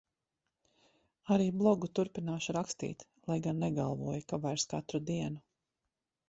Arī blogu turpināšu rakstīt, lai gan negalvoju, ka vairs katru dienu.